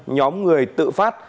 nhóm người tự phát